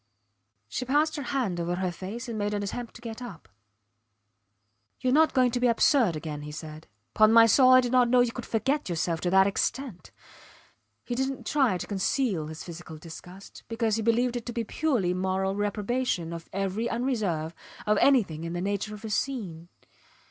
She passed her hand over her face and made an attempt to get up. Youre not going to be absurd again, he said. Pon my soul, I did not know you could forget yourself to that extent. He didnt try to conceal his physical disgust, because he believed it to be a purely moral reprobation of every unreserve, of anything in the nature of a scene.